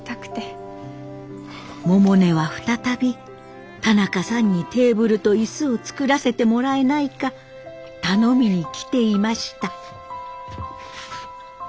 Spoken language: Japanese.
百音は再び田中さんにテーブルと椅子を作らせてもらえないか頼みに来ていました。